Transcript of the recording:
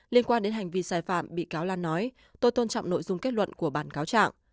liên quan đến hành vi sai phạm bị cáo lan nói tôi tôn trọng nội dung kết luận của bản cáo trạng